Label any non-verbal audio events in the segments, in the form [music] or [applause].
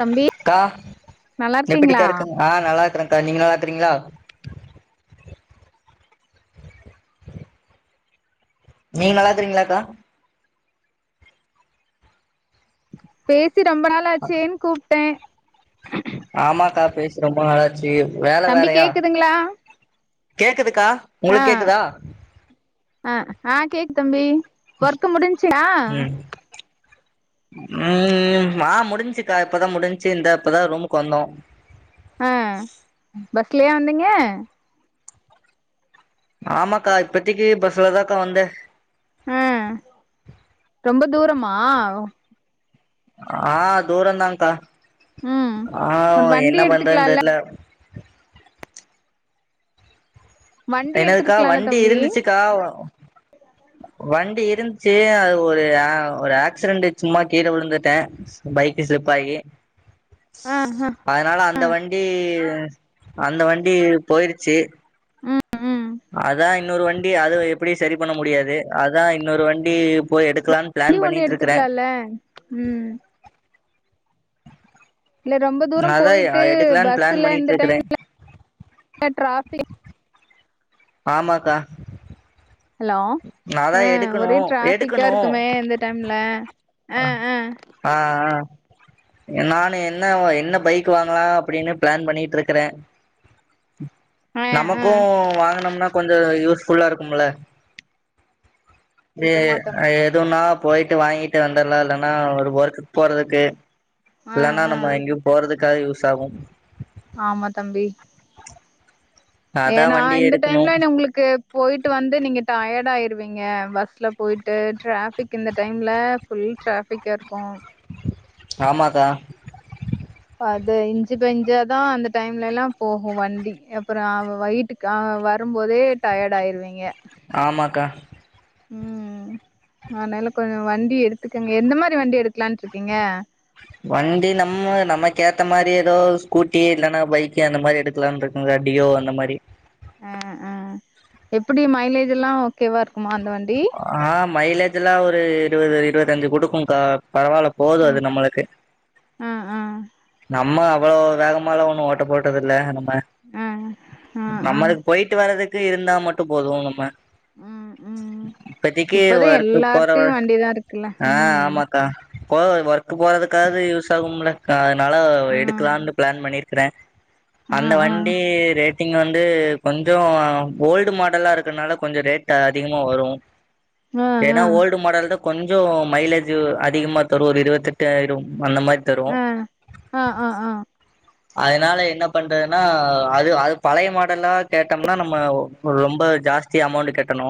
தம்பி க்கா நல்லா இருக்கீங்களா எப்படிக்கா இருக்குங் ஆ நல்லாக்குறங் கா நீங்க நல்லாக்குறிங்ளா நீங் நல்லாக்குறிங்ளாக்கா பெய் சி டொம்ப நாள் ஆச்சேன் கூப்ட்டே ஆமாக்கா பேசி ரொம்ப நாளாத் தம்பி கேக்குதுங்களா கேக்குது க்கா உங்களுக்கு கேக்குதா அ ஆ கேக் தம்பி ஒர்க்கு முடிஞ்ச்சா ம் ம் ஆ முடிஞ்ச்சிக்கா இப்பதா முடிஞ்ச்சி இந்தா இப்பதா ரூமுக்கு வந்தோ ஆ பஸ்லயா வந்தி ங்க ஆமாக்கா இப்பத்திக்கு பஸ்லதாக்கா வந்த ம் ரொம்ப தூரமா ஆ தூரந்தாக்கா ம் ஆ ஒரு வண்டி என்ன பண்றதுன்னு எடுத்துக்கலால்ல தெர்ல வண்டி என்னதுக்கா எடுத்துருக்கலால்ல வண்டி தம்பி இருந்துச்சிக்கா வண்டி இரு இருந்துச்சி அது ஒரு ஒரு ஆக்சிடென்ட் சும்மா கீழ விழுந்துட்டே பைக்கு ஸ்லிப் ஆகி ஆ ஆ அதனால அந்த வண்டி அந்த வண்டி போயிருச்சி ம் ம் அதா இன் இன்னொரு வண்டி அது எப்டியு சரி பண்ண முடியாது அதா இன்னொரு வண்டி போய் எடுத் ண்டி ஒண்ணு எடுத்துக்கலால்ல ம் இல்ல ரொம்ப தூர அதா போயிட்டு எடுக்கலான்னு பிளான் பஸ்ல பண்ணிட்டு இந்த டைம் இருக்கறே ட்ராபிக் ஆம்மாக்கா ஹலோ ம் ஒரே டிராபிக்கா எடுக்கணு இருக்குமே இந்த டைம்ல அ அ ஆ ஆ நானு என்ன என்ன பைக் வாங்கலா அப்டின்னு பிளான் பண்ணிட்டு இருக்கற ஆ ஆ நமக்கு வாங்கனம்னா கொஞ்ச யூஸ் ஃபுல்லா இருக்கும்ல ஏ ஆமா தம்பி எதுன்னா போயிட்டு வாங்கிட்டு வந்துற்லா இல்லன்னா ஒரு ஒர்க்குக்கு போறதுக்கு ஆ இல்லன்னா ஆ நம்ம எங்யு போறதுக்கு க்காது யூஸ் ஆகு ஆம்மா தம்பி அதா ஏன்னா வண்டி இந்த எடுக்கணு டைம்ல உங்ளுக்கு போயிட்டு வந்து நீங்க டயர்ட் ஆயிருவீங்க பஸ்ல போயிட்டு ட்ராஃபிக் இந்த டைம்ல ஃபுல் ட்ராஃபிக்கா இருக்கு ஆம்மாக்கா அது இஞ்ச் பை இஞ்சா தா அந்த டைம்லலா போகு வண்டி அப்பற அவ வயிட்டுக்கு வரும்போதே டயர்ட் ஆயிருவீங்க ஆம்மாக்கா ம் அதனால கொஞ்சோ வண்டி எடுத்துக்கங்க எந்த மாரி வண்டி எடுக்கலாம்னு இருக்கீங்க வண்டி நம்ம நமக்கு ஏத்த மாரி ஏதோ ஸ்கூட்டி இல்லன்னா பைக்கே அந்த மாரி எடுக்லானு இருக்கங்க டியோ அந்த மாரி ஆ ஆ எப்டி மைலேஜ்லா ஓக்கேவா இருக் மாந்தவண்டி மைலேஜ்ல்லா ஒரு இருபது இருபத்தஞ்சு குடுக்கும்கா பரவால்ல போது அது ம் நம்மளுக்கு ஆ ஆ நம்ம அவ்ளோ வேகமல ஒன்னு ஓட்ட போட்டதுதில்ல நம் ம்ம ஆ ஆ ஆ நம்மளுக்கு போயிட்டு வரறதுக் டி இருந்தா மட்டு போது நம்ம ம் ம் இப்பத்திக்கு இப்பதா ஒர்க்கு போற எல்லார்ட்டயு வர வண்டிதா இருக்குல்ல ஆஹ் ம் ஆமாக்கா போவ ஒர்க்போறதுக்கக யூஸ் ஆகும்லகா னால ம் எடுக்கலானு பிளான் பண்ணி இருக்ற ஆ அந்த ஆ வண்டி ரேட் திங்க வந்து கொஞ்ஜோ ஓல்டு மாடல்லா இருக்கனால கொஞ்ச ரேட் அதிகமாக வரு ஆ ஆ ஏன்னா ஆ ஓல்டு மாடல் தா கொஞ்ஜோ மைலேஜு அதிகமா தரு ஒரு இருபத்தெட்டு ஆயிடும் ஆ ஆ செரி ஆ அதனால என்ன பண்றதுன்னா அது அது பழைய மாடல்லா கேட்டோம்னா நம்ம ரொம்ப ஜாஸ்தி அமௌண்ட் கெட்டணு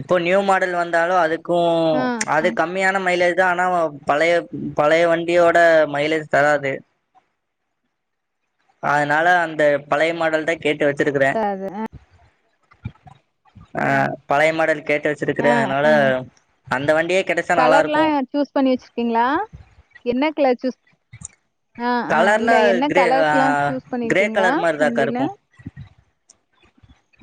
இப்போ நியூ மாடல் வந்தாலு அதுக் க்கு ஆ அது கம்மியான மைலேஜ் இ ஆனா பழைய பழைய வண்டியோட மைலேஜ் தராது அதனால அந்த பழைய மாடல் தா கேட்டு வச்சிருக்கற அது ஆ பழையமாடல் கேட்டு வச்சிருக்கற ஆ அதனால ஆ அந்த வண்டியே கிடைச்சா நல்லா கலர்லா இருக்கு சூஸ் பண்ணி வச்சிருக்கீங்களா ஆஹ் ஆஹ் கலர்ல இல்ல என்ன கிரே ஆ கலர்ஸ்லா சூஸ் கிரே பண்ணிருக்கீங்களா வண்டியில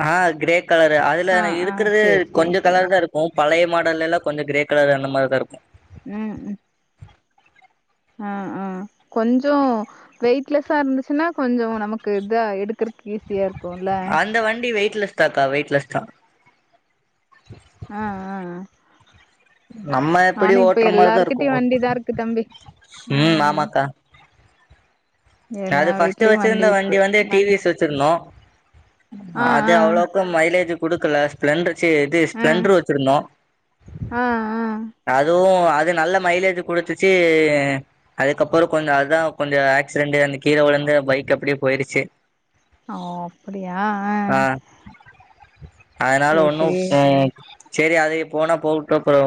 ஆஹ் கிரேக் கலரு அதுல ஆ ஆ இருக்கறது சேரி சேரி கொஞ்ச சேரி கலர் தா இருக்கும் பழைய மாடல்லலெல்லா கொஞ்ச கிரே கலர் அந்த மாரிதா இருக்கு ம் ம் ஆ ஆ கொஞ்ஜோ வெயிட்லெஸ்ஸா இருந்துச்சுன்னா கொஞ்ஜோ நமக்கு இதா எடுக்கறக்கு ஃபிரியா இருக்கும்ல அந்த வண்டி வெயிட்லெஸ் தாக்க வெயிட்லெஸ்தா ஆஹ் ஆஹ் நம்ம எப்படி ஓட்ற மாரிதா இருக்கு வண்டிதா இருக்கு தம்பி ம் ஆமாக்கா எல்லா அது ஃபர்ஸ்ட் வீட்லயு வச்சிருந்த இருக்கு வண்டி வந்து வண் டிவிஸ் வச்சிருந்தோ ஆ அது ஆ அவ்வலோக்கு மைலேஜ் குடுக்கல ஸ்ப்ளெண்டட் சி இது ஆ ஸ்ப்ளெண்டர் வச்சிருந்தோ ஆ ஆ அதுவூ அது நல்ல மைலேஜு குடுத்துச்சு அதுக்கப்றோ கொஞ்சோ அதா கொஞ்சோ ஆக்சிடென்டு அன்னிக் கீழ உழுந்து பைக் அப்டியே போயிடுச்சு ஓ அப்டியா ஆ ஆ அத்னால ஒன்னூ ம் செரி அது போனா போகட்டூ அப்றோ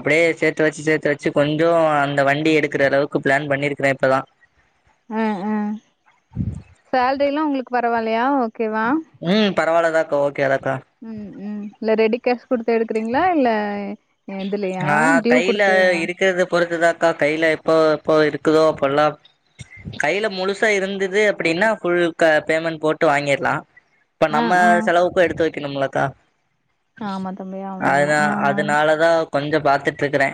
அப்டியே சேத்து வச்சு சேத்து வச்சு கொஞ்சோ அந்த வண்டி எடுக்கிறளவுக்கு ப்ளான் பண்ணிருக்கிறே இப்பதா ஆ ஆ சாலரிலா உங்களுக் பரவால்லயா ஒக் ம் பரவால்ல தாக் ஓக் ம் ம் ல ரெடி கேஷ் குடுத்து எடுக்றீங்களா இல்ல இதுலயா ஆ டியூ கையில குடுத்து இருக்றத பொறுத்துதாக்கா கையில இப்போ போ இருக்குதோ அப்பல்லா கையில முழுசா இருந்துது அப்டின் ஃபுல் க பேமெண்ட் போட்டு வாங்கிடுலா ப ஆ நம்ம ஆ செலவுக்கூ எடுத்து வெக் கிணும்லகா ஆமா தம்பியா ஆமா ஆ அதனாலதா கொஞ்சோ பாத்துட்டுருக்கறே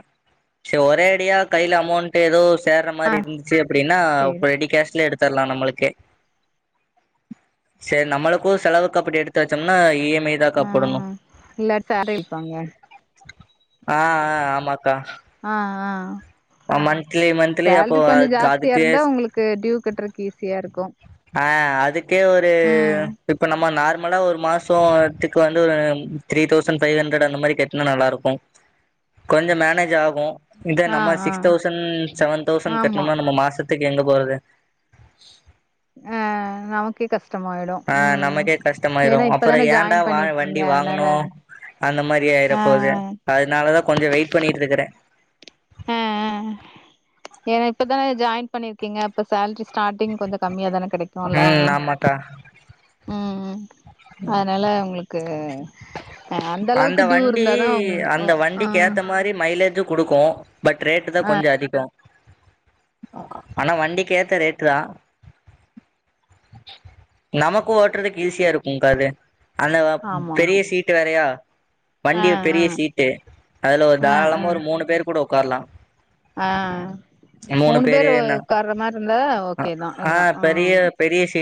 சோ ஒரே அடியா கைல அமௌண்ட்டு ஏதோ ஸ் சேர்ற மாரி இருந்துச்சு அப்டினா சேரி ரெடி கேஷ்ல எடுத் தர்லா நம்மளுக்கே செரி நம்மளுக்கூ செலவுக்கு அப்டி எடுத்து வச்சோம்னா இ எம் மை தாக்கா ஆ போடணூ இல்லாட்டி சேலரி வைப்பாங்க ஆ ஆ ஆமாக்கா ஆ ஆ ஆமன் த்ரீ மன்த்லயே அப்போ சேல்ரி கொஞ்சோ அத் அது ஜாஸ்தியா இருந்தா க்ளியர்ஸ் உங்களுக்கு டியூ கட்றக்கு ஈஸியா இருக்கு ஆ அதுக்கே ஒரு ம் இப்ப நம்ம நார் மலா ஒரு மாசோத்துக்கு வந்து ஒரு த்ரீ தௌசண்ட் ஃபை ஹண்ட்ரட் அந்த மாரி கட்டுனா நல்லாருக்கூ கொஞ்சோ மேனேஜ் ஆகூ இந்த ஆ நம்ம ஆ சிக்ஸ் தௌசண்ட் செவன் தௌசண்ட் ஆமா கட்ணும்னா நம்ம மாசத்துக்கு எங்கப் போறது ஆ நமக்கே கஷ் ஆ நமக்கே கஷ்டமாயிரூ அப்றோ இப்பதான ஏன்டா ஜாயின் வா பண்ணிருக்கீங்க வண்டி அதனால வாங்கணூ அந்த மாரி ஆயிர ஆ போது அதனாலதா கொஞ்சோ வெயிட் பண்ணிட்ருக்கிறே அ அ ஏனா இப்பதானே ஜாயின் பண்ணிருக்கீங்க அப்ப சேல்ரி ஸ்டார்ட் டிங் கொஞ்சோ கம்மியா தான கெடைக்குல்ல ம் ஆமாக்கா ம்ம் அதனால உங்ளு க்கு அந்த வண்டி அந்த ஆ வண்டிக்கு ஏத்த மாரி மைலேஜு குடுக்கு பட் ரேட்டு் தா ஆ கொஞ்சோ அதிகோ ஆனா வண்டிக்கேத்த ரேட்டு தா நமக்கு ஓட்டறதுக்கு ஈஸியா இருக்கும் கா அது அந்த ஆமா ஆமா பெரிய சீட் ட்டு வேறையா ஆ வண்டி ஆ பெரிய சீட்டு அதுல ஒரு தாராளமா ஒரு மூணு பேரு கூட ஒக்காரலா ஆஹ் மூணு பேரு ஒக்கார்ற மாரி இருந்தா ஓகேதா எல்லா ஆ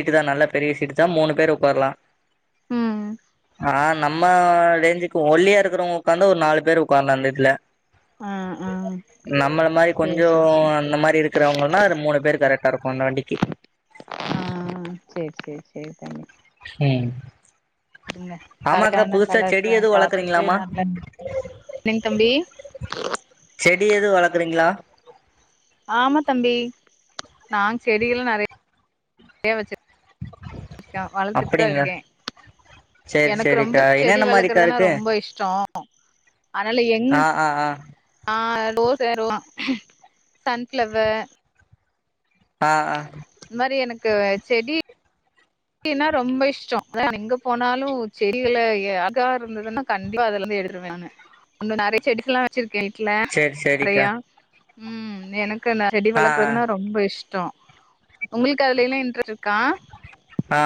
ட்டுதா நல்லா பெரிய சீட்டு தா மூணு பேரு ஒக்காரலா ம் ஆன் நம்ம ரேஞ்சுக்கு ஒல்லியா இருக்குறவங்க ஒக்காந்தா ஒரு நாலு பேர் உட்கார்ல அந்த இதுல ஆ ஆ நம்மள மாரி சேரி கொஞ்சோ சேரி சேரி அந்த மாரி இருக்குறவங்கன்னா ஒரு மூணு பேரு கரெக்டா இருக்கு அந்த வண்டிக்கி இதே தனி ம் அங்க ஆமாக்கா கரெக்டான புதுசா செடி கலர்சா எதுவு பாத்துட்டு வளர்க்குறீங்களாமா நல்ல என்னனைங்க தம்பி ளக்ரீங்களா ஆமா தம்பி நாங்க் செடி எல்லா நெறயா றையா வெச்சு இருக்க வளத்துட்டு தா அப்படிங்களா இருக்கே சேரி எனக்கு ரொம்ப சேரிக்கா செடி என்னென்ன மாரிக்கா வளக்குறதுனா இருக்கு ரொம்ப இஷ்ட அதனால எங் ஆ ஆ ஆ ஆ ரோஸ் ரோஸ் ஆ சன்ஃப்ளவர் ஆ ஆ இந்த மாரி எனக்கு செடி செடினா ரொம்ப இஷ்டோ எங்க போனாலு செடிகளை அழகா இருந்ததுன்னா கண்டிப்பா அதலருந்து எடுத்துருவ நானு ஒன்னு நெறைய செடிகள்லா வச்சிருக்கே வீட்ல சேரி சேரிக்கா நெறையா ம் என க்கு செடி ஆ வளக்குறதுனா ரொம்ப இஷ் டோ உங்களுக்கு அதுல எல்லா இன்ட்ரஸ்ட் இருக்கா ஆ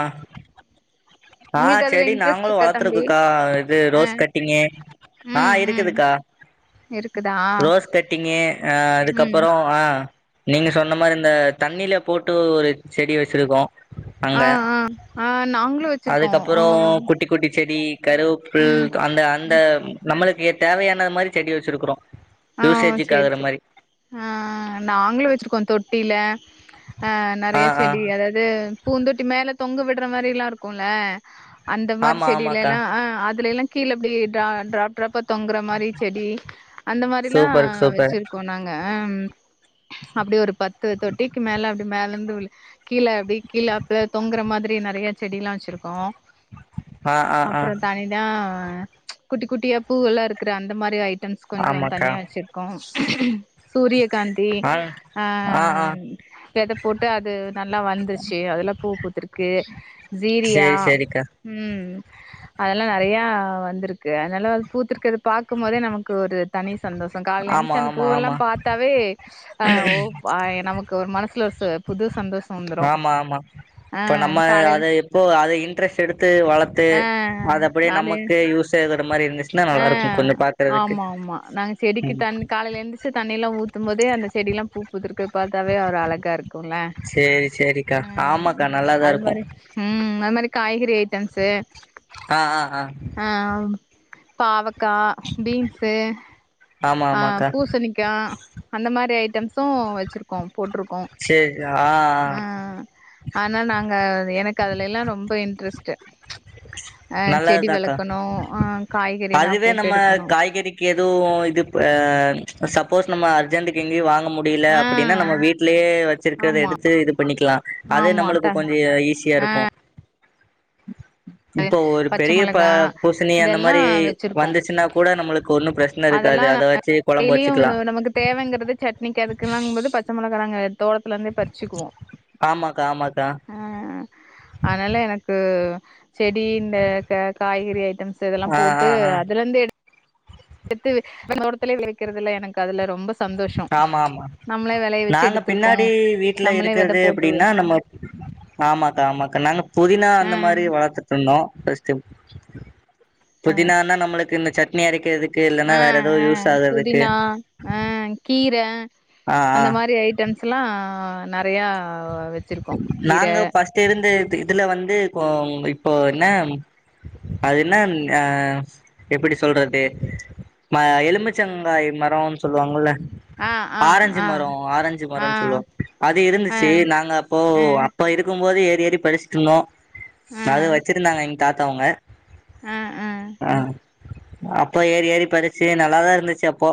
ஆ உங்களுக்கு அதுல செடி இன்ட்ரெஸ்ட் நாங்களு இருக்கா தம்பி வளத்துருக்குக்கா இது ஆ ரோஸ் கட்டிங்கு ஆ ம் ம் இருக்குதுக்கா இருக்குதா ரோஸ் கட்டிங்கு அ ம் அதுக்கப்பறோ அ நீங்க சொன்ன மாரி இந்த தண்ணில போட்டு ஒரு செடி வச்சுருக்கோ ஆ ஆ ஆ நாங்களு வெச்சிரு அதுக்கப்புறோ குட்டி குட்டி செரி கருப்பில் ம் அந்த அந்த ம் நம்மளுக்கு ஏத் தேவையானது மாறி செடி வச்சிருக்குறோம் ஆ ஆ செரி செரி ஆ ஆ நாங்களும் வச்சிருக்கோம் தொட்டில ஆஹ் ஆ நெறைய ஆ செடி அதாவது பூந்தொட்டி மேல தொங்க விடுற மாறி எல்லா இருக்குல அந்த மாறி ஆமா செடில ஆமாக்கா எல்லா ஆ அதுல எல்லா கீழ அப்படிட டா டிராப் டிராப்பா தொங்குற மாறி செடி அந்த மாறிலா சூப்பர் சூப்பர் வச்சிருக்கோம் நாங்க ஆஹம் அப்படி ஒரு பத்து து தொட்டிக்கு மேல அப்படி மேலேந்து விழு கீழ அப்பிடி கீழப்பல தொங்குற மாதிரி நெறைய செடி எல்லா வச்சிருக்கோம் ஆ ஆ ஆ அப்புறோ தனிதான் அ ச்சு குட்டி குட்டியா பூவெல்லா இருக்கற அந்த மாறி ஐட்டம் கொஞ்சோ ஆமாக்கா தனியா வச்சுருக்கோ சூரியகாந்தி ஆ ஆ ஆ வித போட்டு அது நல்லா வந்துச்சு அதல்லா பூ பூத்துருக்கு ஜீரியா சேரி சேரிக்கா ம்ம் அதெல்லா நெறையா வந்திருக்கு அதனால பூத்துருக்குது பாக்கும் போதே நமக் க்கு ஒரு தனி சந்தோஷம் கால ஆமா எந்துருதுச்சு அந்த ஆமா பூவ எல்லா ஆமா பாத்தாவே ஆ ஓ ஆய நமக்கு ஒரு மனசுல ஒருசு புது சந்தோஷம் ஆமா ஆமா இப்ப நம்ம காலைல அதை எப்போ அதை இன்ட்ரெஸ்ட் எடுத்து வளத்து அதை அப்படியே நமக்கு யூஸ் செய் ஆஹ் ஆமா ஆமா நாங்க செடிக்கு ம் தண்ணி காலையில எந்துருச்சு தண்ணி எல்லா ஊத்தும் போதே அந்த செடி எல்லா பூ ஊத்துருக்குது பாத்தாவே ஒரு அழகா இருக்கும்ல்ல சேரி சேரிக்கா அ உம் ஆமாக்கா நல்லாதா அது இருக்கு மாறி உம் அது மாறி காய்கறே ட்டன்ஸு ஆ ஆ ஆ ஆஹ் ஆ பாவக் க்கா பீன்ஸு ஆமா ஆஹ் ஆமாக்கா பூசணிக்க அந்த மாறி அயிட் சோ வச்சிருக்கோம் போட்டிருக்கோம் சேரி ஆ ஆ ம் ம் ஆனா நாங்க எனக்கு அதுலலெல்லா ரொம்ப இன்ரஸ்ட் நல்லதாக்கா வளக்கணு ஆ காய்கறிலா அதுவே போட்டு நம்ம எடுக்கணு காய்கறிக்கு எதுவு இது சப்போஸ் நம்ம அர்ஜென்டுக்கு எங்கயு வாங்க முடியல ஆ அப்படின்னா நம்ம வீட்லயே வச்சிருக்கிறத ஆமா எடுத்து இது பண்ணிக்கலாம் அதே ஆமா த நம்மளுக்கு கொஞ்ச ஈஸியா இருக்கு இப்போ ஒரு பச்சை பெரிய ப மொளகா பூசணி அந்த மாரி இதெல்லாம் வெச்சிருக்கோம் வந்துச்சுன்னா கூட நம்மளுக்கு ஒன்னு பிரச்சன இருக்காது அதெல்லாம் அத வச்சு கொழம்பு டெய்லியும் வச்சுக்கலா நமக்கு தேவைங்கிறது சட்னிக்கு அதுக்கலாங்போது பச்சை மொளகா நாங்க தோட்டத்துல இருந்தே பறிச்சுக்குவோம் ஆமாக்கா ஆமாக்கா ஆஹ் அதனால எனக்கு செடி இந்த க காய்கறி ஐட்டம்ஸ் இதெல்லாம் ஆ போட்டு ஆ ஆ அதுல இருந்து எடுத் எடுத்து தோட்டத்துலே விளைவிக்கிறதுல எனக்கு அதுல ரொம்ப சந்தோஷோ ஆமா ஆமா நம்மளே வெளைய வச்சு நாங்க எடுத்திருக்கோ பின்னாடி வீட்ல நம்மளே வெத இருக்கிறது போட்டுரு அப்படின்னா நம்ம ஆமாக்கா ஆமாக்கா நாங்க புதினா ஆ அந்த மாரி வளத்துட்ருந்தோம் [unintelligible] புதினானா நம்மளுக்கு இந்த சட் ண்ணி அரைக்கது த்து இல்லன்னா ஆ வேற எதோ யூஸ் ஆகுறதுக்கு கீரை ஆ ஆ அந்த மாரி ஐட்டம்ஸ்லாம் நெறையா வச்சிருக்கோ கீர நாங்க பஃஸ்ட் இருந்த இத் இதுல வந்து கோ இப்போ என்ன அது என்ன ஆ எப்படி சொல்றது ம எலும்புச்சங்காய் மரம்னு சொல்வாங்கல்ல ஆ ஆ ஆரஞ்சு ஆ மரம் ஆரஞ்சு ஆ மரம்னு சொல்வோம் அது ஆ இருந்துச்சு நாங் ன்னா அப்போ ஆ அப்ப இருக்கும்போது ஏத் ஏறி பரிசி திண்ணோம் ஆ நாத வச்சிருந்தாங்க இங் தாத்தாவுங்க ஆ ஆ ஆஹ் அப்போ ஏறி ஏறி பறிச்சு நல்லாதான் இருந்துச்சு அப்போ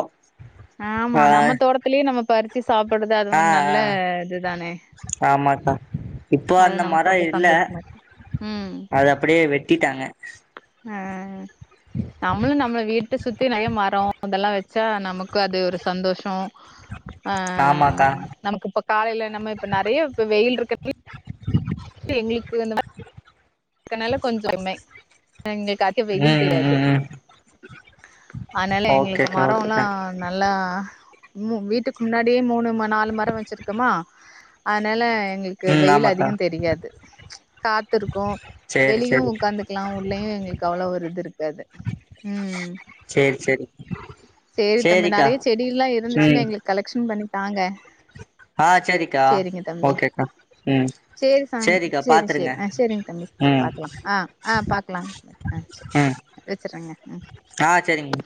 ஆமா ஆ நம்ம தோட்டத்திலயே நம்ம பறிச்சு சாப்படது அதுவும் நல்ல இதுதானே ஆமாக்க இப்போ அது அந்த நமக்கு மரம் ரொம்ப இல்ல சந்தோஷமா இருக்கு ம் அத அப்டியே வெட்டிட்டாங்க ஆஹ் நம்மளும் நம்மள வீட்ட சுத் த்தி நெறைய மரம் அதெல்லாம் வச்சா நமக் க்கு அது ஒரு சந்தோஷம் ஆமாக்கா ஆஹ் நமக்கு இப்ப காலையில நம்ம இப்ப நெறைய இப்ப வெயில் இருக்க க்கு எங்களுக்கு இந்த மாரி க்கனால கொஞ்ச [inaudible] எங்களுக்காச்சு வெயில் ம் ம் தெரியாது ம் ம் அனால எங்களுக்கு ஓகேக்கா மரல்லா ஓகேக்கா நல்லா மூ வீட்டுக்கு முன்னாடியே மூணு நாலு மரோ வச்சிருக்கமா அதனால எங்களுக்கு ம் வெயில் ஆமாக்கா அதிக தெரியாது காத்திருக்கு சேரி வெளியு சேரி உட்காந்துக்கலா உள்ளயு எங்களுக்கு அவ்ளோ ஒரு இது இருக்காது ம் சேரி சேரி சேரி தம்பி சேரிக்கா நறைய செடி எல்லா இருந்துச்சுன்னா ம் எங்களுக்கு கலெக்ஷன் ம் பண்ணிதாங்க ஆ சேரிக்கா ஓகேக்கா ம் சேரி சாமி சேரிக்கா சேரி சேரி ஆ சேரிங்க தம்பி பாத்துருங்க ம் பாக்கலா ஆ ஆ பாக்கலா ஆ ம் சேரி வச்சிறங்க ம் ஆ சேரிங்க